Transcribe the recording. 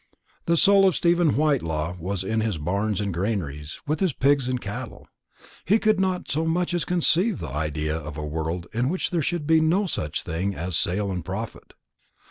The soul of Stephen Whitelaw was in his barns and granaries, with his pigs and cattle. He could not so much as conceive the idea of a world in which there should be no such thing as sale and profit.